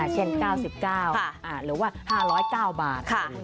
เช่น๙๙หรือว่า๕๐๙บาท